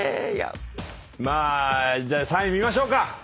まあじゃあ３位見ましょうか。